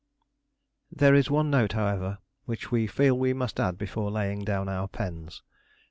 There is one note, however, which we feel we must add before laying down our pens.